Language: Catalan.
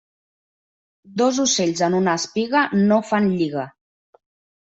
Dos ocells en una espiga no fan lliga.